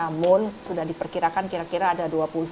namun sudah diperkirakan kira kira ada dua puluh satu